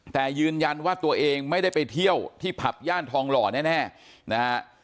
แต่ยืนยันว่าตัวเองไม่ได้ไปเที่ยวที่ผับย่านทองหล่อแน่นะฮะ